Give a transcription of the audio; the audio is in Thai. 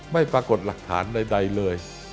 ไม่ปรากฏหลักฐานใดเลย